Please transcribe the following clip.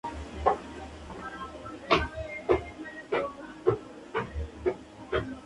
Sus pinturas son notables por su precisión, detalles, y exactitud de color.